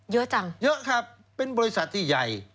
เยอะจังเยอะครับเป็นบริษัทที่ใหญ่